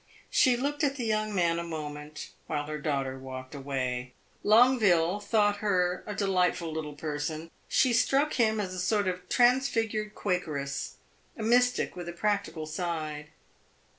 She looked at the young man a moment, while her daughter walked away. Longueville thought her a delightful little person; she struck him as a sort of transfigured Quakeress a mystic with a practical side.